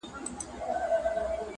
د زمان په لاس کي اوړمه زمولېږم!